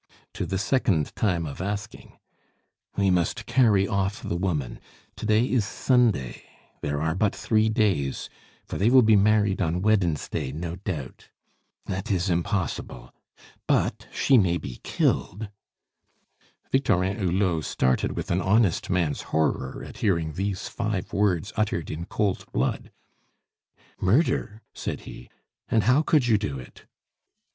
"To the second time of asking." "We must carry off the woman. To day is Sunday there are but three days, for they will be married on Wednesday, no doubt; it is impossible. But she may be killed " Victorin Hulot started with an honest man's horror at hearing these five words uttered in cold blood. "Murder?" said he. "And how could you do it?"